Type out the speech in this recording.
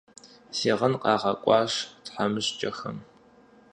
Си гъын къагъэкӀуащ тхьэмыщкӀэхэм.